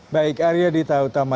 baik arya dita utama